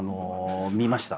見ました。